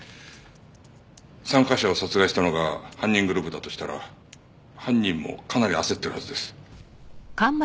参加者を殺害したのが犯人グループだとしたら犯人もかなり焦ってるはずです。